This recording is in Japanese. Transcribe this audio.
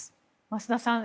増田さん